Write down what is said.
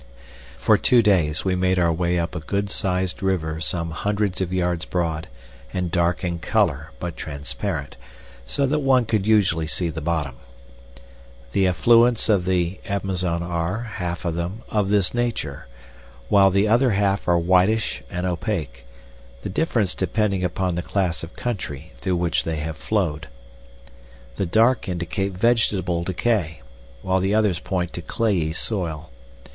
For two days we made our way up a good sized river some hundreds of yards broad, and dark in color, but transparent, so that one could usually see the bottom. The affluents of the Amazon are, half of them, of this nature, while the other half are whitish and opaque, the difference depending upon the class of country through which they have flowed. The dark indicate vegetable decay, while the others point to clayey soil.